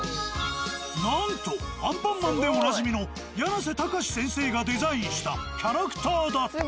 なんと「アンパンマン」でおなじみのやなせたかし先生がデザインしたキャラクターだった。